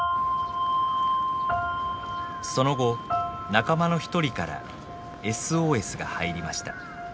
その後仲間の一人からＳＯＳが入りました。